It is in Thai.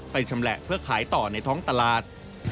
ชำแหละเพื่อขายต่อในท้องตลาด